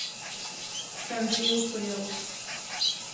کندو يې وښوياوه.